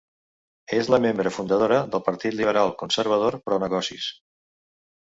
És la membre fundadora del Partit Liberal conservador pro-negocis.